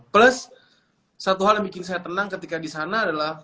plus satu hal yang bikin saya tenang ketika di sana adalah